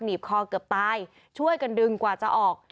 บคอเกือบตายช่วยกันดึงกว่าจะออก